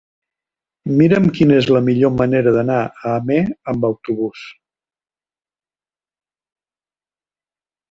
Mira'm quina és la millor manera d'anar a Amer amb autobús.